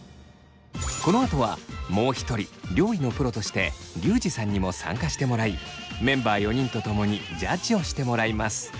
このあとはもう一人料理のプロとしてリュウジさんにも参加してもらいメンバー４人と共にジャッジをしてもらいます。